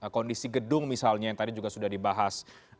kondisi gedung misalnya yang tadi juga sudah dibahas